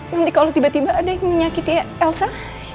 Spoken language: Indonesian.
nanti kalau tiba tiba ada yang menyakiti elsa